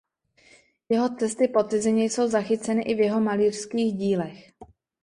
Jeho cesty po cizině jsou zachyceny i v jeho malířských dílech.